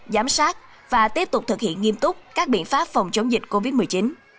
giám sát và tiếp tục thực hiện nghiêm túc các biện pháp phòng chống dịch covid một mươi chín